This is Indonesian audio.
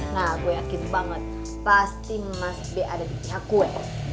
nah aku yakin banget pasti mas b ada di pihak gue